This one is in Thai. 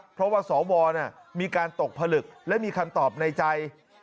เพราะว่าสวมีการตกผลึกและมีคำตอบในใจ